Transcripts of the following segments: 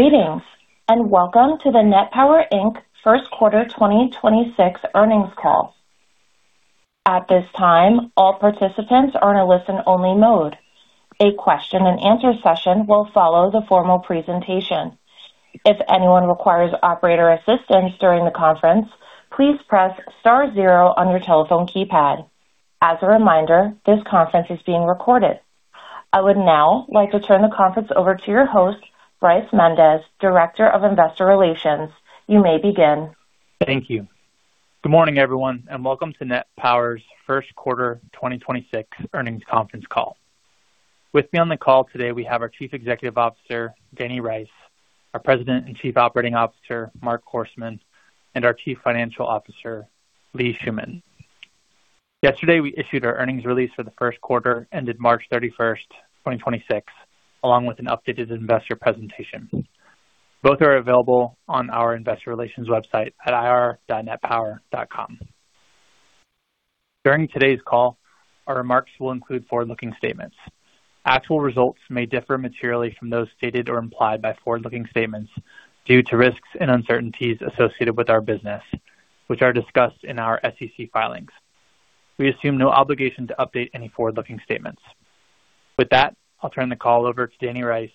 Greetings, welcome to the NET Power Inc. first quarter 2026 earnings call. At this time, all participants are in a listen-only mode. A question-and-answer session will follow the formal presentation. If anyone requires operator assistance during the conference, please press star zero on your telephone keypad. As a reminder, this conference is being recorded. I would now like to turn the conference over to your host, Bryce Mendes, Director of Investor Relations. You may begin. Thank you. Good morning, everyone, and welcome to NET Power's first quarter 2026 earnings conference call. With me on the call today, we have our Chief Executive Officer, Danny Rice, our President and Chief Operating Officer, Marc Horstman, and our Chief Financial Officer, Lee Shuman. Yesterday, we issued our earnings release for the first quarter, ended March 31, 2026, along with an updated investor presentation. Both are available on our investor relations website at ir.netpower.com. During today's call, our remarks will include forward-looking statements. Actual results may differ materially from those stated or implied by forward-looking statements due to risks and uncertainties associated with our business, which are discussed in our SEC filings. We assume no obligation to update any forward-looking statements. With that, I'll turn the call over to Danny Rice,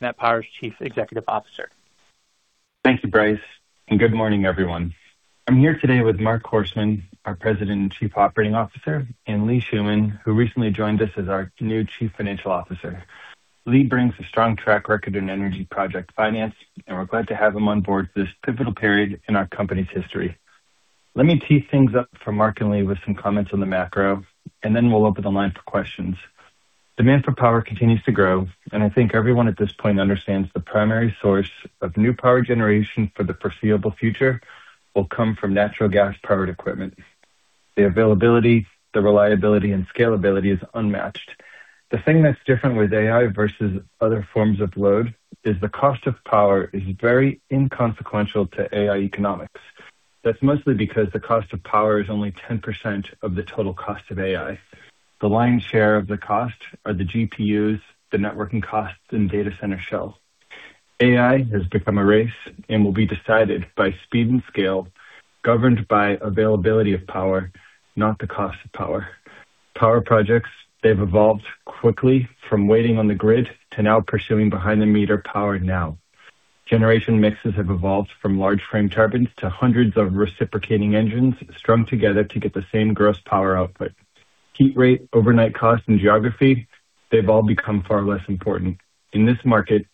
NET Power's Chief Executive Officer. Thank you, Bryce. Good morning, everyone. I'm here today with Marc Horstman, our President and Chief Operating Officer, and Lee Shuman, who recently joined us as our new Chief Financial Officer. Lee brings a strong track record in energy project finance, and we're glad to have him on board this pivotal period in our company's history. Let me tee things up for Marc and Lee with some comments on the macro, and then we'll open the line for questions. Demand for power continues to grow, and I think everyone at this point understands the primary source of new power generation for the foreseeable future will come from natural gas-powered equipment. The availability, the reliability, and scalability is unmatched. The thing that's different with AI versus other forms of load is the cost of power is very inconsequential to AI economics. That's mostly because the cost of power is only 10% of the total cost of AI. The lion's share of the cost are the GPUs, the networking costs, and data center shell. AI has become a race and will be decided by speed and scale, governed by availability of power, not the cost of power. Power projects, they've evolved quickly from waiting on the grid to now pursuing behind-the-meter power now. Generation mixes have evolved from large frame turbines to hundreds of reciprocating engines strung together to get the same gross power output. Heat rate, overnight cost, and geography, they've all become far less important. In this market,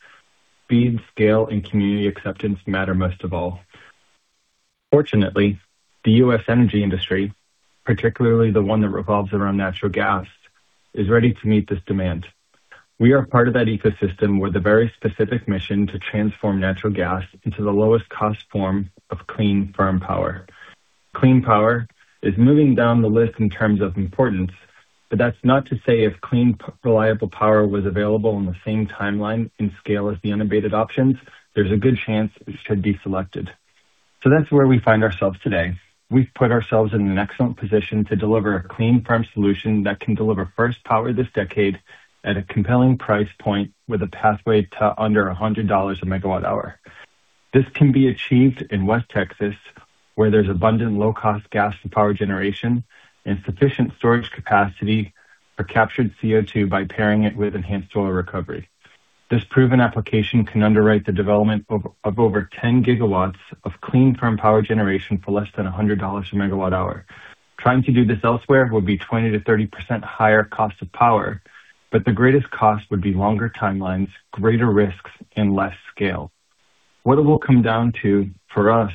speed, scale, and community acceptance matter most of all. Fortunately, the U.S. energy industry, particularly the one that revolves around natural gas, is ready to meet this demand. We are part of that ecosystem with a very specific mission to transform natural gas into the lowest cost form of clean, firm power. Clean power is moving down the list in terms of importance. That's not to say if clean, reliable power was available in the same timeline and scale as the unabated options, there's a good chance it should be selected. That's where we find ourselves today. We've put ourselves in an excellent position to deliver a clean, firm solution that can deliver first power this decade at a compelling price point with a pathway to under $100/MWh. This can be achieved in West Texas, where there's abundant low-cost gas-to-power generation and sufficient storage capacity for captured CO2 by pairing it with enhanced oil recovery. This proven application can underwrite the development of over 10 GW of clean, firm power generation for less than $100/MWh. Trying to do this elsewhere would be 20%-30% higher cost of power, but the greatest cost would be longer timelines, greater risks, and less scale. What it will come down to for us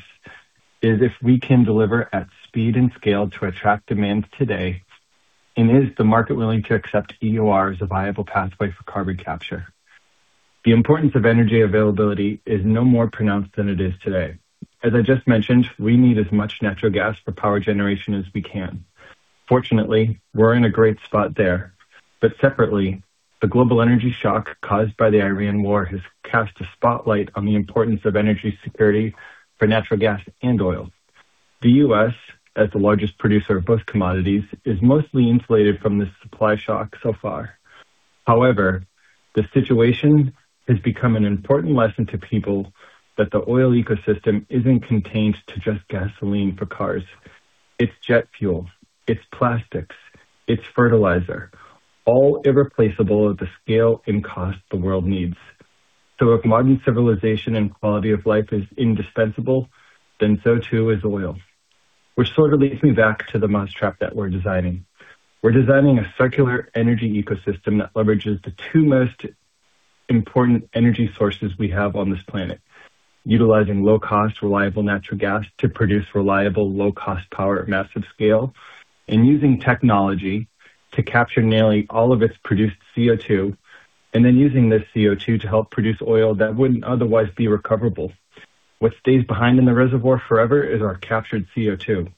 is if we can deliver at speed and scale to attract demand today and is the market willing to accept EOR as a viable pathway for carbon capture. The importance of energy availability is no more pronounced than it is today. As I just mentioned, we need as much natural gas for power generation as we can. Fortunately, we're in a great spot there. Separately, the global energy shock caused by the Ukraine war has cast a spotlight on the importance of energy security for natural gas and oil. The U.S., as the largest producer of both commodities, is mostly insulated from this supply shock so far. However, the situation has become an important lesson to people that the oil ecosystem isn't contained to just gasoline for cars. It's jet fuel, it's plastics, it's fertilizer, all irreplaceable at the scale and cost the world needs. If modern civilization and quality of life is indispensable, then so too is oil, which sort of leads me back to the mousetrap that we're designing. We're designing a circular energy ecosystem that leverages the two most important energy sources we have on this planet, utilizing low cost, reliable natural gas to produce reliable, low cost power at massive scale and using technology to capture nearly all of its produced CO2 and then using this CO2 to help produce oil that wouldn't otherwise be recoverable. What stays behind in the reservoir forever is our captured CO2.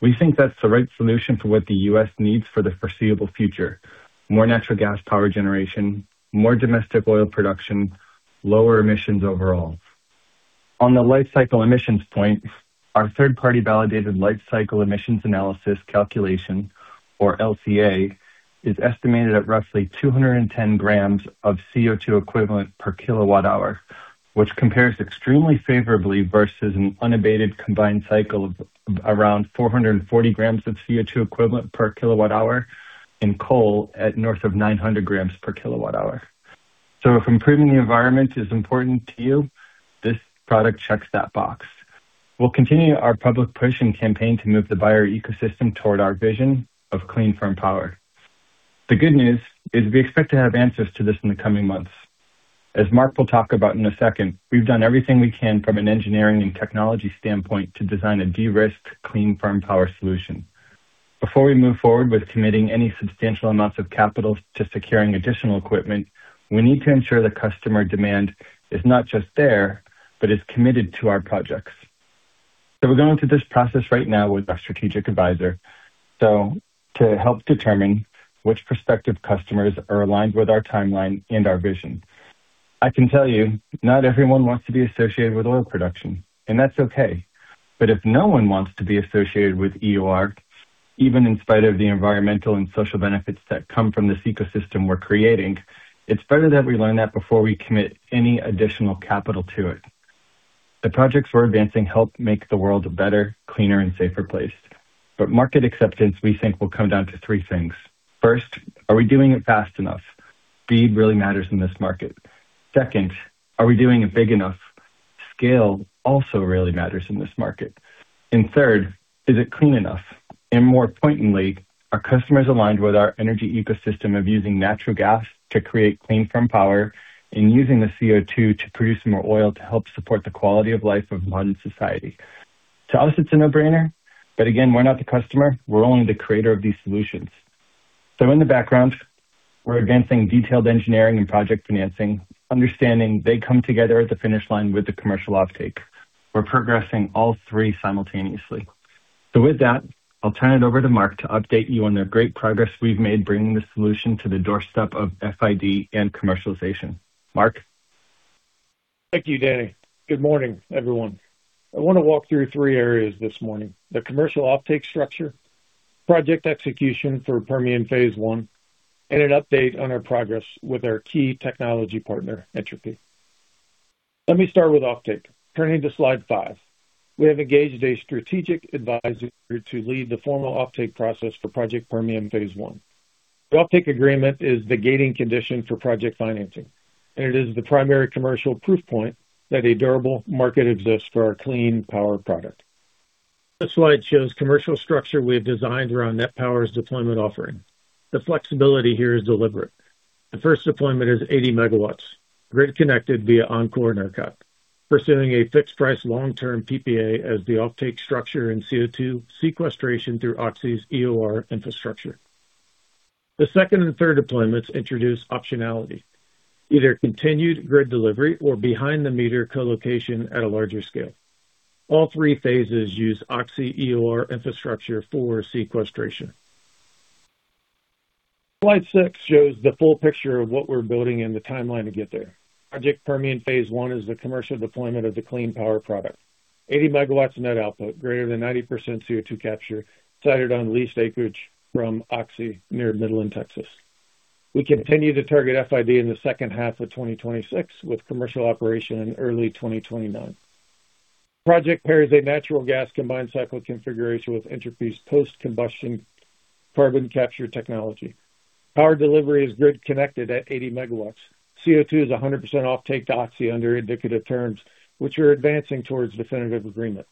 We think that's the right solution for what the U.S. needs for the foreseeable future. More natural gas power generation, more domestic oil production, lower emissions overall. On the life cycle emissions point, our third-party validated life cycle emissions analysis calculation, or LCA, is estimated at roughly 210 g of CO2 equivalent per kilowatt hour, which compares extremely favorably versus an unabated combined cycle of around 440 g of CO2 equivalent per kilowatt hour and coal at north of 900 g/kWh. If improving the environment is important to you, this product checks that box. We'll continue our public pushing campaign to move the buyer ecosystem toward our vision of clean firm power. The good news is we expect to have answers to this in the coming months. As Marc will talk about in a second, we've done everything we can from an engineering and technology standpoint to design a de-risked, clean firm power solution. Before we move forward with committing any substantial amounts of capital to securing additional equipment, we need to ensure the customer demand is not just there, but is committed to our projects. We're going through this process right now with our strategic advisor, so to help determine which prospective customers are aligned with our timeline and our vision. I can tell you not everyone wants to be associated with oil production, and that's okay. If no one wants to be associated with EOR, even in spite of the environmental and social benefits that come from this ecosystem we're creating, it's better that we learn that before we commit any additional capital to it. The projects we're advancing help make the world a better, cleaner, and safer place. Market acceptance, we think, will come down to three things. First, are we doing it fast enough? Speed really matters in this market. Second, are we doing it big enough? Scale also really matters in this market. Third, is it clean enough? More pointedly, are customers aligned with our energy ecosystem of using natural gas to create clean firm power and using the CO2 to produce more oil to help support the quality of life of modern society? To us, it's a no-brainer, but again, we're not the customer. We're only the creator of these solutions. In the background, we're advancing detailed engineering and project financing, understanding they come together at the finish line with the commercial offtake. We're progressing all three simultaneously. With that, I'll turn it over to Marc to update you on the great progress we've made bringing the solution to the doorstep of FID and commercialization. Marc. Thank you, Danny. Good morning, everyone. I want to walk through 3 areas this morning: the commercial offtake structure, project execution for Project Permian phase I, and an update on our progress with our key technology partner, Entropy Inc. Let me start with offtake. Turning to slide 5. We have engaged a strategic advisor to lead the formal offtake process for Project Permian phase I. The offtake agreement is the gating condition for project financing, and it is the primary commercial proof point that a durable market exists for our clean power product. This slide shows commercial structure we have designed around NET Power's deployment offering. The flexibility here is deliberate. The first deployment is 80 MW, grid connected via ERCOT Interconnection, pursuing a fixed price long-term PPA as the offtake structure and CO2 sequestration through Oxy's EOR infrastructure. The second and third deployments introduce optionality, either continued grid delivery or behind the meter co-location at a larger scale. All three phases use Oxy EOR infrastructure for sequestration. Slide six shows the full picture of what we're building and the timeline to get there. Project Permian Phase I is the commercial deployment of the clean power product. 80 MW net output, greater than 90% CO2 capture, sited on leased acreage from Oxy near Midland, Texas. We continue to target FID in the second half of 2026, with commercial operation in early 2029. Project pairs a natural gas combined cycle configuration with Entropy's post-combustion carbon capture technology. Power delivery is grid connected at 80 MW. CO2 is 100% offtake to Oxy under indicative terms, which are advancing towards definitive agreement.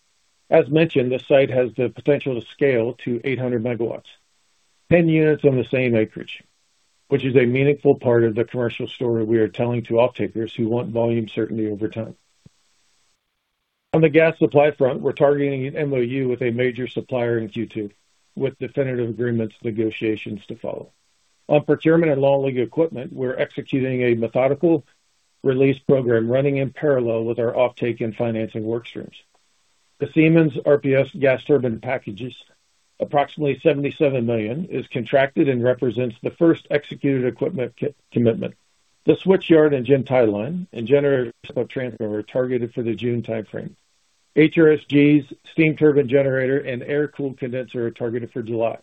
As mentioned, this site has the potential to scale to 800 MW, 10 units on the same acreage, which is a meaningful part of the commercial story we are telling to offtakers who want volume certainty over time. On the gas supply front, we're targeting an MOU with a major supplier in Q2, with definitive agreements negotiations to follow. On procurement and long lead equipment, we're executing a methodical release program running in parallel with our offtake and financing work streams. The Siemens RPS gas turbine packages, approximately $77 million, is contracted and represents the first executed equipment commitment. The switchyard and gen tie line and [generate transfer targeted for the June timeframe. HRSGs, steam turbine generator, and air-cooled condenser are targeted for July.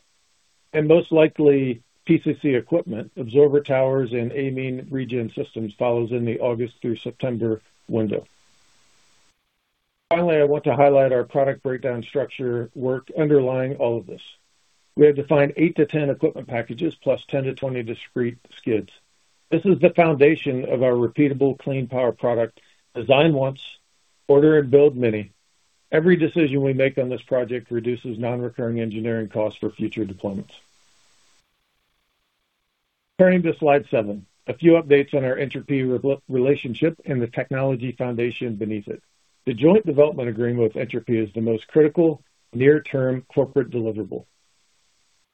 Most likely, PCC equipment, absorber towers, and amine regen systems follows in the August through September window. Finally, I want to highlight our product breakdown structure work underlying all of this. We had to find eight to 10 equipment packages +10 to 20 discrete skids. This is the foundation of our repeatable clean power product. Design once, order and build many. Every decision we make on this project reduces non-recurring engineering costs for future deployments. Turning to slide seven, a few updates on our Entropy relationship and the technology foundation beneath it. The Joint Development Agreement with Entropy is the most critical near-term corporate deliverable.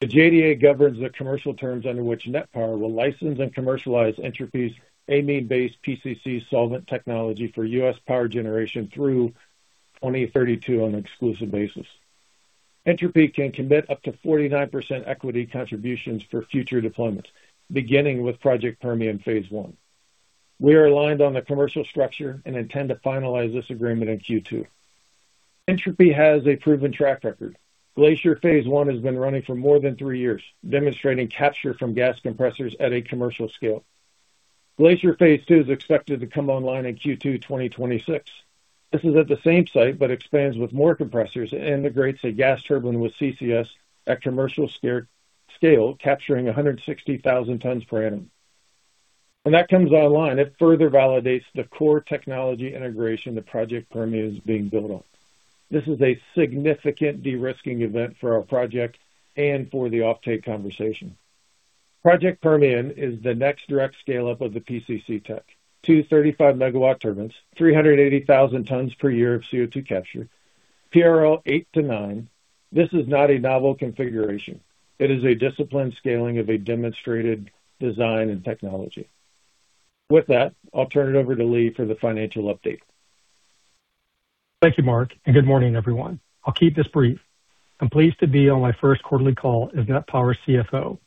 The JDA governs the commercial terms under which NET Power will license and commercialize Entropy's amine-based PCC solvent technology for U.S. power generation through 2032 on an exclusive basis. Entropy can commit up to 49% equity contributions for future deployments, beginning with Project Permian phase I. We are aligned on the commercial structure and intend to finalize this agreement in Q2. Entropy has a proven track record. Glacier phase 1 has been running for more than three years, demonstrating capture from gas compressors at a commercial scale. Glacier phase II is expected to come online in Q2, 2026. This is at the same site, expands with more compressors and integrates a gas turbine with CCS at commercial scale, capturing 160,000 tons per annum. When that comes online, it further validates the core technology integration that Project Permian is being built on. This is a significant de-risking event for our project and for the offtake conversation. Project Permian is the next direct scale-up of the PCC tech. two 35 MW turbines, 380,000 tons per year of CO2 capture. TRL eight to nine. This is not a novel configuration. It is a disciplined scaling of a demonstrated design and technology. With that, I'll turn it over to Lee for the financial update. Thank you, Marc, good morning, everyone. I'll keep this brief. I'm pleased to be on my first quarterly call as NET Power CFO.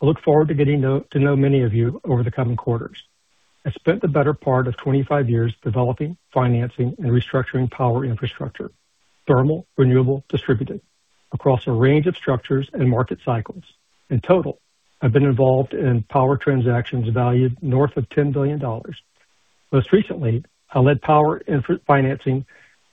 I look forward to getting to know many of you over the coming quarters. I spent the better part of 25 years developing, financing, and restructuring power infrastructure, thermal, renewable, distributed, across a range of structures and market cycles. In total, I've been involved in power transactions valued north of $10 billion. Most recently, I led power financing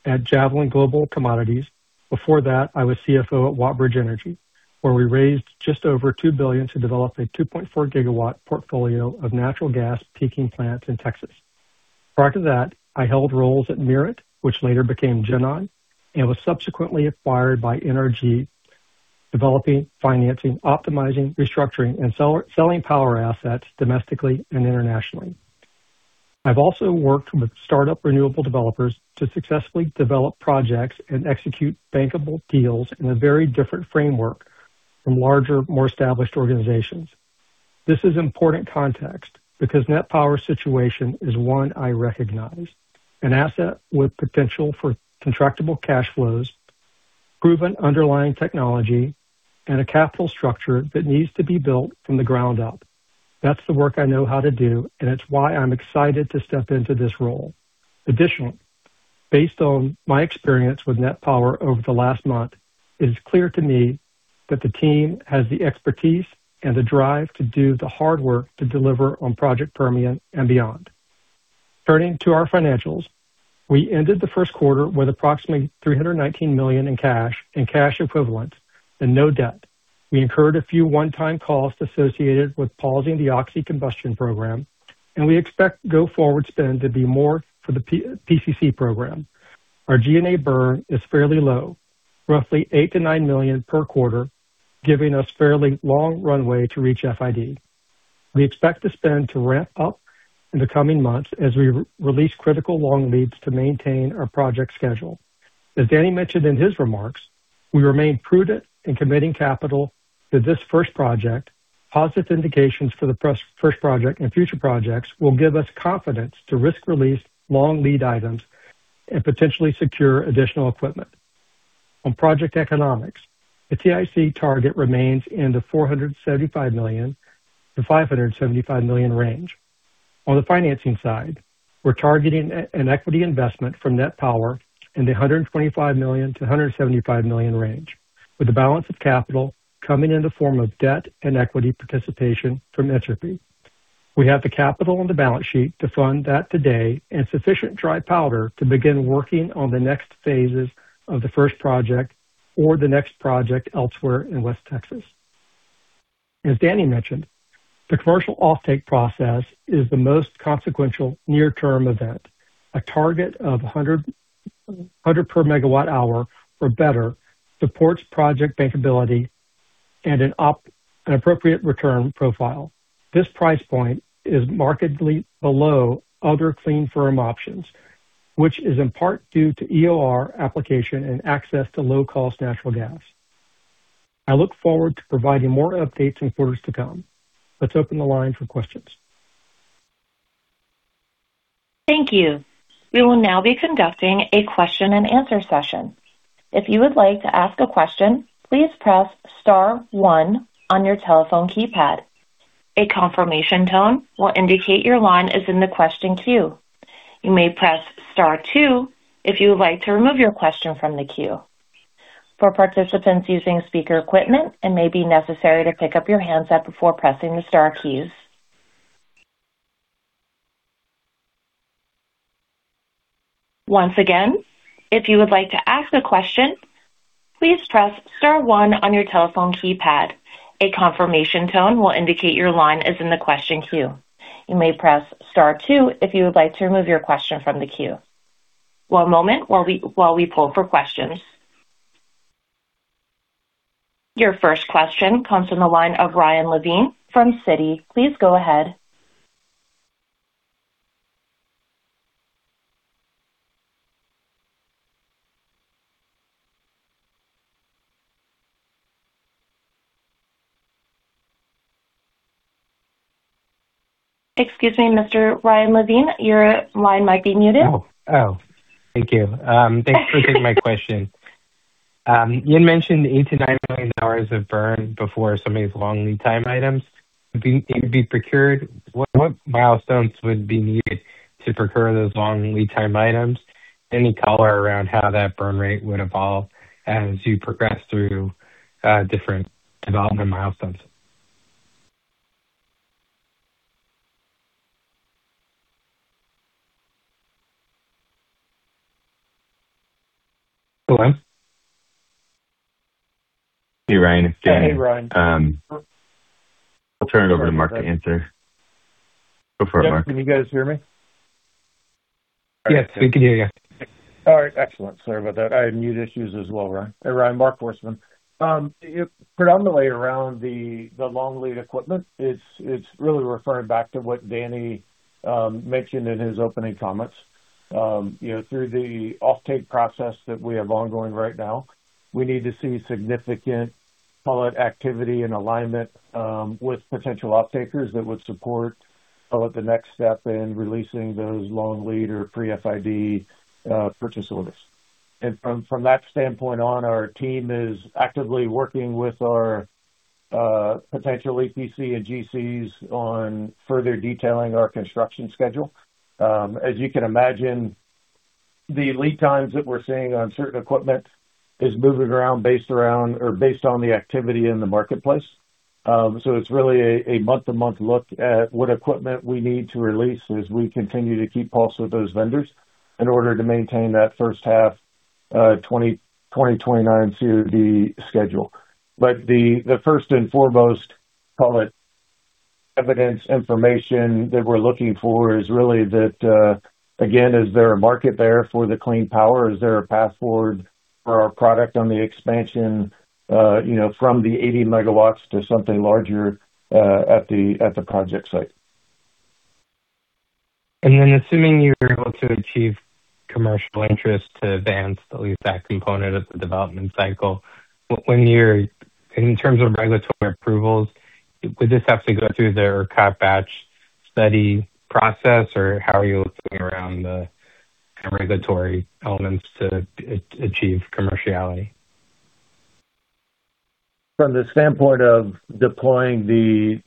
at Javelin Global Commodities. Before that, I was CFO at WattBridge Energy, where we raised just over $2 billion to develop a 2.4 GW portfolio of natural gas peaking plants in Texas. Prior to that, I held roles at Mirant, which later became GenOn and was subsequently acquired by NRG, developing, financing, optimizing, restructuring, and selling power assets domestically and internationally. I've also worked with startup renewable developers to successfully develop projects and execute bankable deals in a very different framework from larger, more established organizations. This is important context because NET Power's situation is one I recognize. An asset with potential for contractable cash flows, proven underlying technology, and a capital structure that needs to be built from the ground up. That's the work I know how to do, and it's why I'm excited to step into this role. Additionally, based on my experience with NET Power over the last month, it is clear to me that the team has the expertise and the drive to do the hard work to deliver on Project Permian and beyond. Turning to our financials, we ended the first quarter with approximately $319 million in cash and cash equivalents and no debt. We incurred a few one-time costs associated with pausing the oxy-combustion program. We expect go-forward spend to be more for the PCC program. Our G&A burn is fairly low, roughly $8 million-$9 million per quarter, giving us fairly long runway to reach FID. We expect the spend to ramp up in the coming months as we re-release critical long leads to maintain our project schedule. As Danny mentioned in his remarks, we remain prudent in committing capital to this first project. Positive indications for the first project and future projects will give us confidence to risk release long lead items and potentially secure additional equipment. On project economics, the TIC target remains in the $475 million-$575 million range. On the financing side, we're targeting an equity investment from NET Power in the $125 million-$175 million range, with the balance of capital coming in the form of debt and equity participation from Entropy Inc. We have the capital on the balance sheet to fund that today and sufficient dry powder to begin working on the next phases of the first project or the next project elsewhere in West Texas. As Danny mentioned, the commercial offtake process is the most consequential near-term event. A target of $100/MW or better supports project bankability and an appropriate return profile. This price point is markedly below other clean firm options, which is in part due to EOR application and access to low-cost natural gas. I look forward to providing more updates in quarters to come. Let's open the line for questions. Thank we will now be conducting question-and answer session. If you will like to ask question please press star one on your telephone keypad a confirmation tone will indicate your line is in the question queue you may press star two if you want to remove your question from the queue. For the participant using speaker equipment it may be necessary to pickup your handset before pressing star key. Once again if you like to ask question please press star one on your telephone keypad a confirmation tone will indicate your line is in the question queue you may press star two if you like to remove your question from the queue. For moment as we pause for question. Your first question comes from the line of Ryan Levine from Citi. Please go ahead. Excuse me, Mr. Ryan Levine, your line might be muted. Thank you. Thanks for taking my question. You had mentioned $8 million-$9 million of burn before some of these long lead time items need to be procured. What milestones would be needed to procure those long lead time items? Any color around how that burn rate would evolve as you progress through different development milestones? Hello? Hey, Ryan, it's Danny. Hey, Ryan. I'll turn it over to Marc to answer. Go for it, Marc. Can you guys hear me? Yes, we can hear you. All right. Excellent. Sorry about that. I have mute issues as well, Ryan. Hey, Ryan, Marc Horstman. Predominantly around the long lead equipment, it's really referring back to what Danny mentioned in his opening comments. You know, through the offtake process that we have ongoing right now, we need to see significant call it activity and alignment with potential offtakers that would support, call it, the next step in releasing those long lead or pre-FID purchase orders. From that standpoint on, our team is actively working with our potential EPC and GCs on further detailing our construction schedule. As you can imagine, the lead times that we're seeing on certain equipment is moving around based on the activity in the marketplace. It's really a month-to-month look at what equipment we need to release as we continue to keep pulse with those vendors in order to maintain that first half 2029 COD schedule. The first and foremost evidence information that we're looking for is really that, again, is there a market there for the clean power? Is there a path forward for our product on the expansion, you know, from the 80 MW to something larger at the project site. Assuming you're able to achieve commercial interest to advance at least that component of the development cycle, in terms of regulatory approvals, would this have to go through their batch study process, or how are you looking around the regulatory elements to achieve commerciality? From the standpoint of deploying the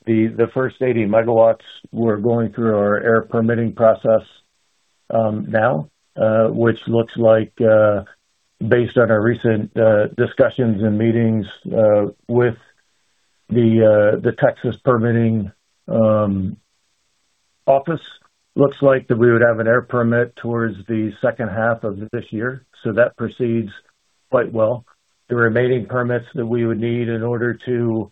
first 80 MW, we're going through our air permitting process now, which looks like, based on our recent discussions and meetings with the Texas permitting office, looks like that we would have an air permit towards the second half of this year. That proceeds quite well. The remaining permits that we would need in order to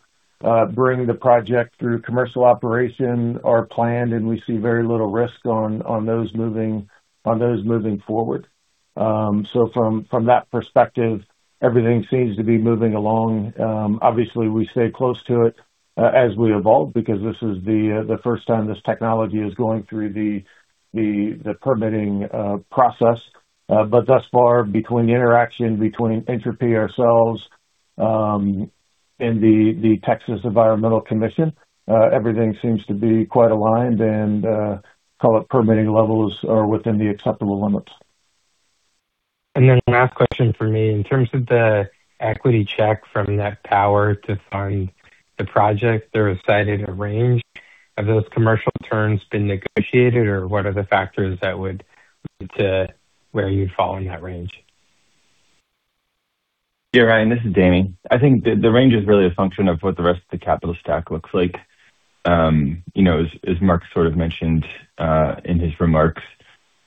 bring the project through commercial operation are planned, and we see very little risk on those moving forward. From that perspective, everything seems to be moving along. Obviously, we stay close to it as we evolve because this is the first time this technology is going through the permitting process. Thus far, between the interaction between Entropy, ourselves, and the Texas Commission on Environmental Quality, everything seems to be quite aligned and, call it permitting levels are within the acceptable limits. Last question from me. In terms of the equity check from NET Power to fund the project, they're cited a range. Have those commercial terms been negotiated, or what are the factors that would lead to where you'd fall in that range? Yeah, Ryan, this is Danny. I think the range is really a function of what the rest of the capital stack looks like. You know, as Marc Horstman sort of mentioned, in his remarks,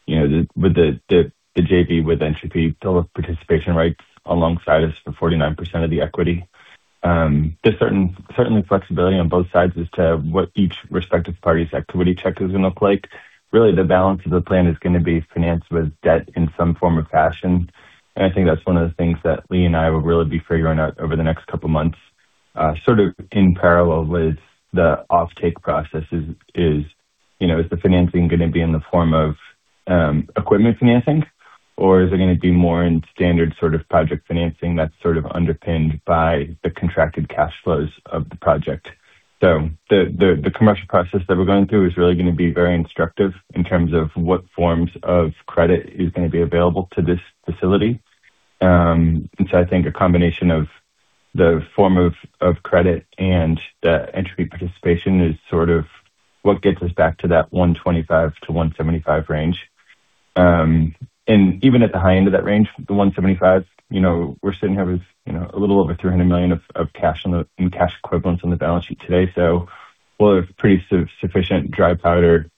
you know, with the JV with Entropy, they'll have participation rights alongside us for 49% of the equity. There's certainly flexibility on both sides as to what each respective party's equity check is gonna look like. Really, the balance of the plan is gonna be financed with debt in some form or fashion. I think that's one of the things that Lee and I will really be figuring out over the next couple of months, sort of in parallel with the offtake process is, you know, is the financing gonna be in the form of equipment financing, or is it gonna be more in standard sort of project financing that's sort of underpinned by the contracted cash flows of the project? The commercial process that we're going through is really gonna be very instructive in terms of what forms of credit is gonna be available to this facility. I think a combination of the form of credit and the entropy participation is sort of what gets us back to that $125-$175 range. Even at the high end of that range, the $175, you know, we're sitting here with, you know, a little over $300 million of cash in cash equivalents on the balance sheet today. We'll have pretty sufficient dry powder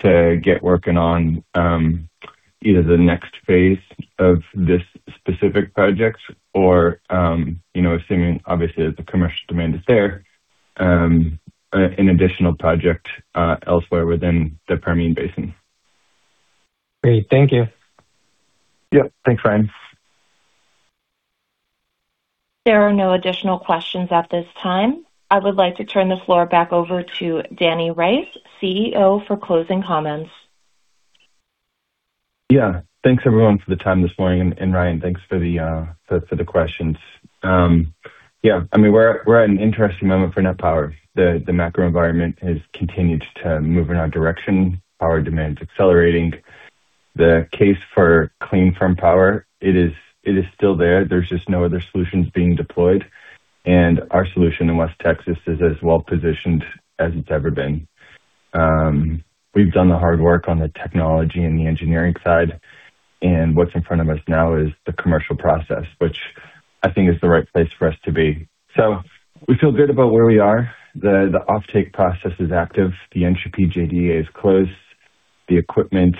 to get working on either the next phase of this specific project or, you know, assuming obviously the commercial demand is there, an additional project elsewhere within the Permian Basin. Great. Thank you. Yep. Thanks, Ryan. There are no additional questions at this time. I would like to turn the floor back over to Danny Rice, CEO, for closing comments. Thanks everyone for the time this morning. Ryan, thanks for the questions. We are at an interesting moment for NET Power. The macro environment has continued to move in our direction. Power demand's accelerating. The case for clean firm power, it is still there. There's just no other solutions being deployed. Our solution in West Texas is as well-positioned as it's ever been. We've done the hard work on the technology and the engineering side, and what's in front of us now is the commercial process, which I think is the right place for us to be. We feel good about where we are. The offtake process is active. The Entropy JDA is closed. The equipment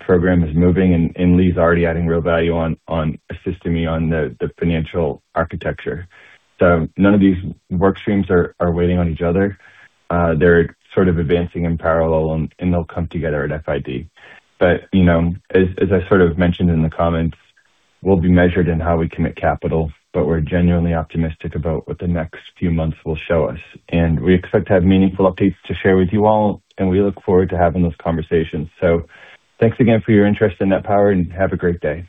program is moving and Lee already adding real value on assisting me on the financial architecture. None of these work streams are waiting on each other. They're sort of advancing in parallel and they'll come together at FID. You know, as I sort of mentioned in the comments, we'll be measured in how we commit capital, but we're genuinely optimistic about what the next few months will show us. We expect to have meaningful updates to share with you all, and we look forward to having those conversations. Thanks again for your interest in NET Power and have a great day.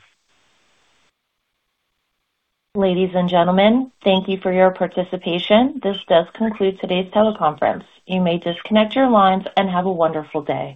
Ladies and gentlemen, thank you for your participation. This does conclude today's teleconference. You may disconnect your lines and have a wonderful day.